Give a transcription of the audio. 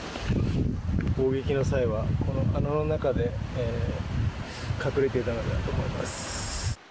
砲撃の際は、この穴の中で隠れていたのだと思います。